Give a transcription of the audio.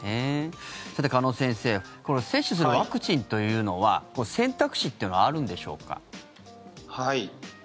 さて、鹿野先生接種するワクチンというのは選択肢というのはあるんでしょうか？